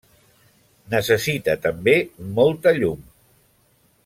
Necessita, també, molta llum.